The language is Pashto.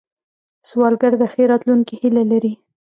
سوالګر د ښې راتلونکې هیله لري